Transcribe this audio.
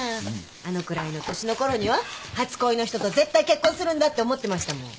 あのくらいの年のころには初恋の人と絶対結婚するんだって思ってましたもん。